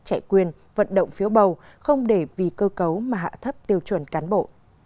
chạy quyền vận động phiếu bầu không để vì cơ cấu mà hạ thấp tiêu chuẩn cán bộ